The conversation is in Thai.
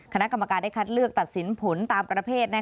คณะกรรมการได้คัดเลือกตัดสินผลตามประเภท